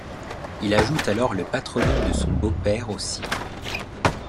Il ajoute alors le patronyme de son beau-père au sien.